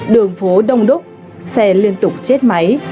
đường phố đông đúc xe liên tục chết máy